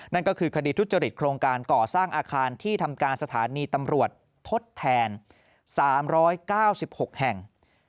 นั่นก็คือคดีทุจริตโครงการก่อสร้างอาคารที่ทำการสถานีตำรวจทดแทน๓๙๖แห่ง